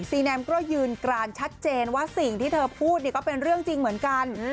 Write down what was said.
แนมก็ยืนกรานชัดเจนว่าสิ่งที่เธอพูดเนี่ยก็เป็นเรื่องจริงเหมือนกัน